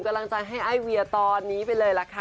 กำลังใจให้ไอเวียตอนนี้ไปเลยล่ะค่ะ